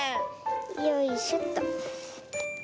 よいしょっと。